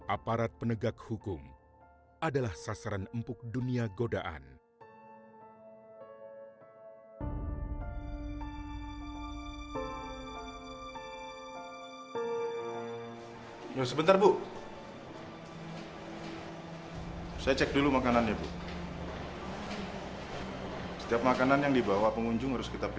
aparat penegak hukum adalah sasaran empuk dunia godaan